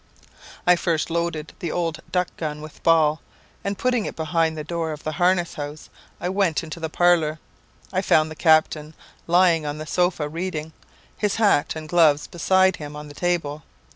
"I first loaded the old duck gun with ball, and, putting it behind the door of the harness house, I went into the parlour. I found the captain lyinig on the sofa reading, his hat and gloves beside him on the table.